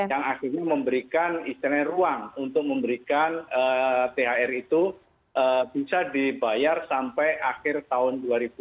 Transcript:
yang akhirnya memberikan istilahnya ruang untuk memberikan thr itu bisa dibayar sampai akhir tahun dua ribu dua puluh